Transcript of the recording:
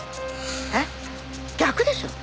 えっ逆でしょ！